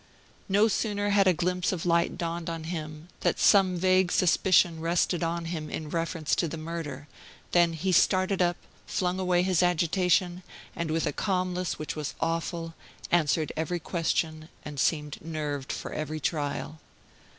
Yet no sooner had a glimpse of light dawned on him that some vague suspicion rested on him in reference to the murder, than he started up, flung away his agitation, and, with a calmness which was awful, answered every question, and seemed nerved for every trial.